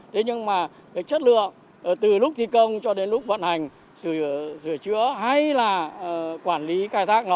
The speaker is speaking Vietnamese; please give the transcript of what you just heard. thế nhưng mà cái chất lượng từ lúc thi công cho đến lúc vận hành sửa chữa hay là quản lý khai thác nó